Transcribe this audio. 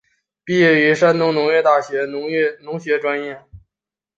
毕业于山东农业大学农学专业。